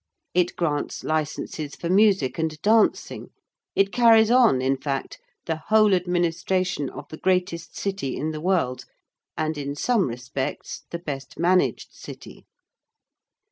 It grants licenses for music and dancing: it carries on, in fact, the whole administration of the greatest City in the world, and, in some respects, the best managed City.